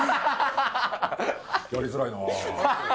やりづらいなぁ。